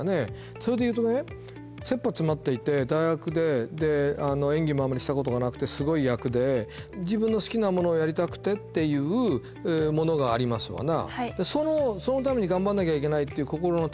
それで言うとね切羽詰まっていて大学で演技もあんまりしたことがなくてすごい役で自分の好きなものをやりたくてっていうものがありますわな